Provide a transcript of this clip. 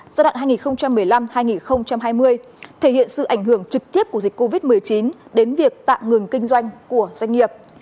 giai đoạn hai nghìn một mươi năm hai nghìn hai mươi thể hiện sự ảnh hưởng trực tiếp của dịch covid một mươi chín đến việc tạm ngừng kinh doanh của doanh nghiệp